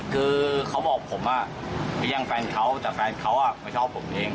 คือเขาบอกผมแย่งแฟนเขาแต่แฟนเขาไม่ชอบผมเอง